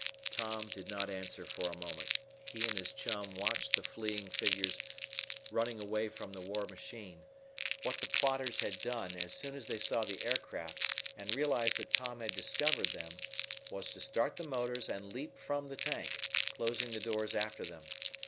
Tom did not answer for a moment. He and his chum watched the fleeing figures running away from the war engine. What the plotters had done, as soon as they saw the aircraft and realized that Tom had discovered them, was to start the motors and leap from the tank, closing the doors after them.